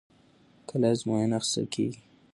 کله ازموینه اخیستل کېږي؟